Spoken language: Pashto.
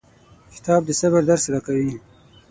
کتاب د صبر درس راکوي.